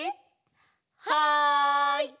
はい！